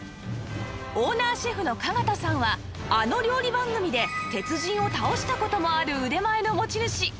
オーナーシェフの加賀田さんはあの料理番組で鉄人を倒した事もある腕前の持ち主